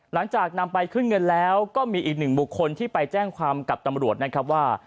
หลังจากนำไปขึ้นเงินแล้วก็มีอีกหนึ่งบุคคลที่ไปแจ้งความกับตำรวจนะครับว่า